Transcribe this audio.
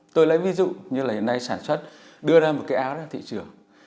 tôi lấy ví dụ như là hiện nay sản xuất đưa ra một cái áo ra thị trường